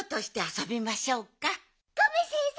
ガメ先生